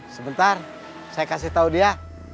sebentar saya kasih tahu dia